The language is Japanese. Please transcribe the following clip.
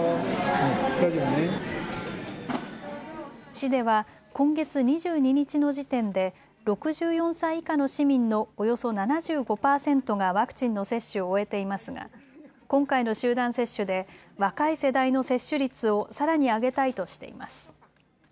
市では今月２２日の時点で６４歳以下の市民のおよそ７５％がワクチンの接種を終えていますが今回の集団接種で若い世代の接種率をさらに上げたいとしています。